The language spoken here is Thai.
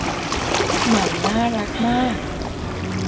หมาน่ารักมาก